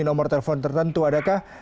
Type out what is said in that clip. nomor telepon tertentu adakah